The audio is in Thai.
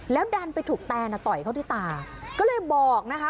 ดันไปถูกแตนต่อยเขาที่ตาก็เลยบอกนะคะ